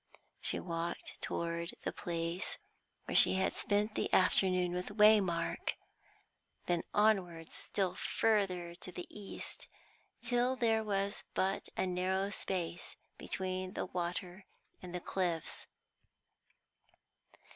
She walked towards the place where she had spent the afternoon with Waymark, then onwards still further to the east, till there was but a narrow space between the water and the cliffs.